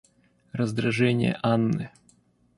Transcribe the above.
Раздражение Анны.